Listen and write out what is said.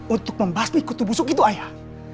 untuk membahas mikutu busuk itu ayah